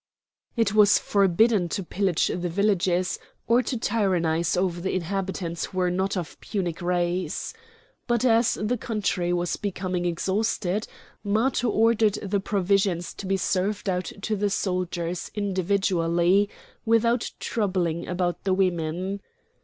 It was forbidden to pillage the villages, or to tyrannise over the inhabitants who were not of Punic race. But as the country was becoming exhausted, Matho ordered the provisions to be served out to the soldiers individually, without troubling about the women.